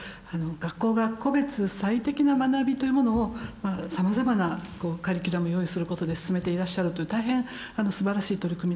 学校が個別最適な学びというものをさまざまなカリキュラム用意することで進めていらっしゃるという大変すばらしい取り組みだと思います。